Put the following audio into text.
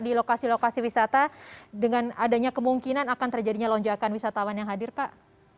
di lokasi lokasi wisata dengan adanya kemungkinan akan terjadinya lonjakan wisatawan yang hadir pak